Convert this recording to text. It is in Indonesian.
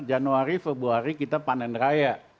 januari februari kita panen raya